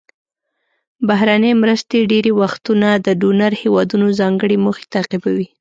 بهرنۍ مرستې ډیری وختونه د ډونر هیوادونو ځانګړې موخې تعقیبوي.